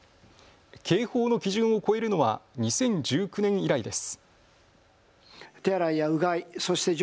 警報の基準を超えるのは２０１９年以来です。